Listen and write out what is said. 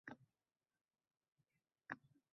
Jessi nafasini bazo`r rostlab, ortidan ergashdi